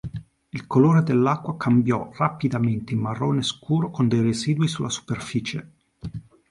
Il colore dell'acqua cambiò rapidamente in marrone scuro con dei residui sulla superficie.